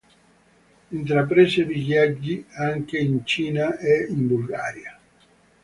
Intraprese viaggi anche in Cina e in Bulgaria.